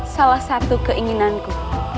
salah satu keinginanku